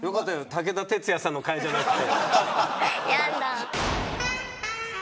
武田鉄矢さんの回じゃなくて。